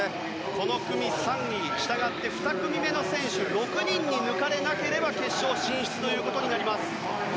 この組３位したがって２組目の選手６人に抜かれなければ決勝進出ということになります。